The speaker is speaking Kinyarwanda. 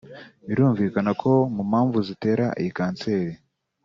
Birumvikana ko mu mpamvu zitera iyi kanseri